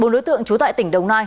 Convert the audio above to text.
bốn đối tượng trú tại tỉnh đồng nai